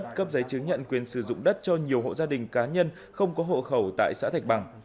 cấp giấy chứng nhận quyền sử dụng đất cho nhiều hộ gia đình cá nhân không có hộ khẩu tại xã thạch bằng